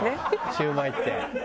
シュウマイって。